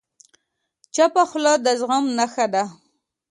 چپه خوله، د زغم نښه ده.